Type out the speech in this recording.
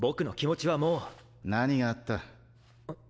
何があった？っ！